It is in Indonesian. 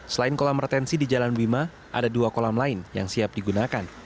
selain kolam retensi di jalan bima ada dua kolam lain yang siap digunakan